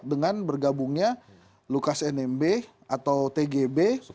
dengan bergabungnya lukas nmb atau tgb